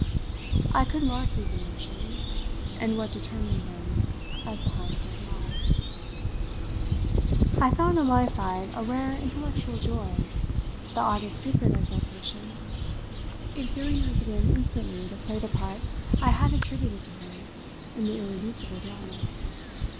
I could mark these emotions, and what determined them, as behind clear glass. I found, on my side, a rare intellectual joy, the oddest secret exultation, in feeling her begin instantly to play the part I had attributed to her in the irreducible drama.